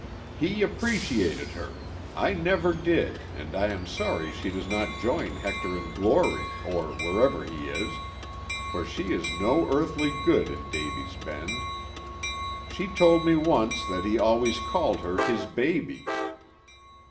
"He appreciated her; I never did, and I am sorry she does not join Hector in glory, or wherever he is, for she is no earthly good in Davy's Bend. She told me once that he always called her his baby."